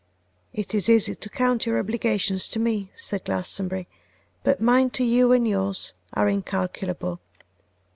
'It is easy to count your obligations to me,' said Glastonbury, 'but mine to you and yours are incalculable.